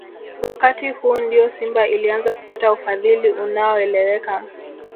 Wakati huu ndio Simba ilianza kupata ufadhili unaoeleweka